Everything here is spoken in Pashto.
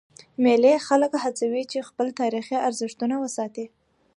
مېلې خلک هڅوي، چي خپل تاریخي ارزښتونه وساتي.